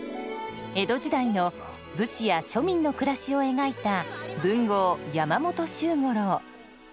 江戸時代の武士や庶民の暮らしを描いた文豪山本周五郎。